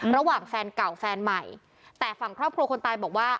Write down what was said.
ระหว่างแฟนเก่าแฟนใหม่แต่ฝั่งครอบครัวคนตายบอกว่า